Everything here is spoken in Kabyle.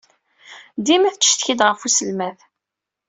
Dima tettcetki-d ɣef uselmad.